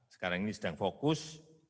sekarang ini sedang fokus